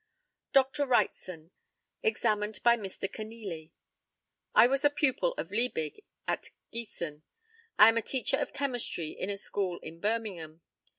Dr. WRIGHTSON, examined by Mr. KENEALY: I was a pupil of Liebig, at Giessen. I am a teacher of chemistry in a school in Birmingham.